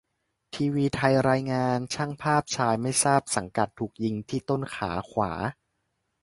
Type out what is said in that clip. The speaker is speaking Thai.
ทีวีไทยรายงาน ช่างภาพชายไม่ทราบสังกัดถูกยิงที่ต้นขาขวา